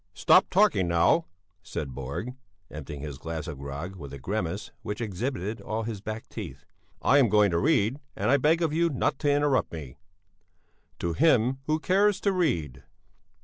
"Stop talking now," said Borg, emptying his glass of grog with a grimace which exhibited all his back teeth; "I am going to read, and I beg of you not to interrupt me." "'TO HIM WHO CARES TO READ.